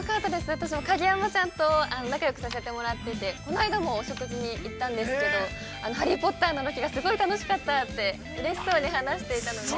私も影山ちゃんと仲よくさせてもらっててこの間もお食事に行ったんですけど、「ハリー・ポッター」のときがすごい楽しかったって、うれしそうに話していたので。